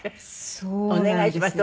お願いします。